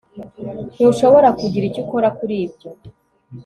Ntushobora kugira icyo ukora kuri ibyo